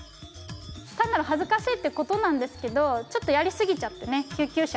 単なる恥ずかしいってことなんですけどちょっとやり過ぎちゃってね救急車。